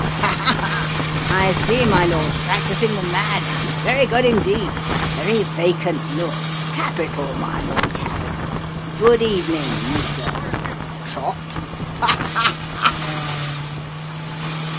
" Ha ha ! I see, my lord practising the madman ? very good indeed very vacant look capital, my lord, capital good evening, Mr. Trott ha ! ha! ha!"